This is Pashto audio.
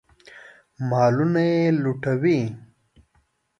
مالونه یې لوټوي.